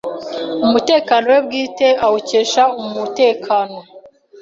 Umutekano we bwite awukesha umutekano